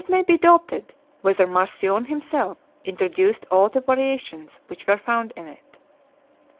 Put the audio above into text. may be doubted whether Marcion himself introduced all the variations which were found in it 1